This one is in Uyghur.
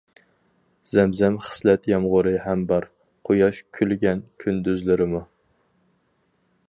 زەمزەم خىسلەت يامغۇرى ھەم بار، قۇياش كۈلگەن كۈندۈزلىرىمۇ.